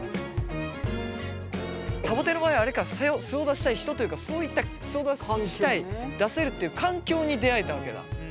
さぼてんの場合あれか素を出したい人というかそういった素を出したい出せるっていう環境に出会えたわけだ。